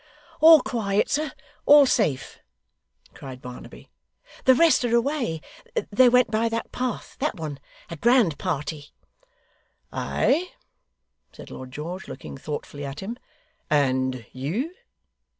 'All quiet, sir, all safe!' cried Barnaby. 'The rest are away they went by that path that one. A grand party!' 'Ay?' said Lord George, looking thoughtfully at him. 'And you?